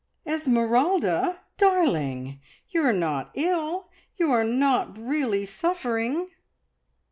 "Esmeralda! Darling! You are not ill? You are not really suffering?"